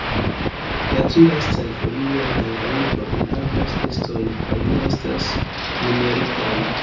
La tri lastaj folioj de la libro enhavas tekstojn kaj ne estas numeritaj.